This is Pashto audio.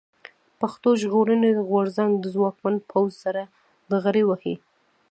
پښتون ژغورني غورځنګ د ځواکمن پوځ سره ډغرې وهي.